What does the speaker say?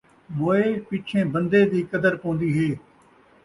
موئے پچھیں بن٘دے دی قدر پون٘دی ہے